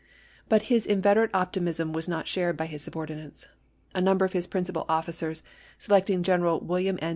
p *55 But his inveterate optimism was not shared by his subordinates. A number of his principal officers, selecting General William N.